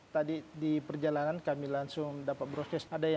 tadi di perjalanan kami langsung dapat proses